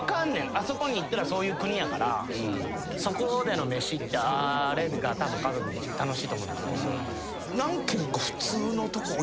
あそこに行ったらそういう国やからそこでの飯ってあれがたぶん家族で行って楽しいと思うねんけど。